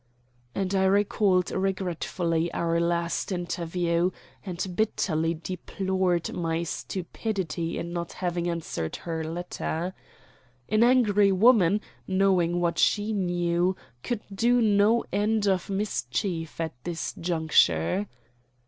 And I recalled regretfully our last interview, and bitterly deplored my stupidity in not having answered her letter. An angry woman, knowing what she knew, could do no end of mischief at this juncture.